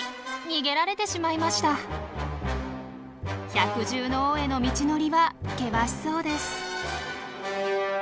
百獣の王への道のりは険しそうです。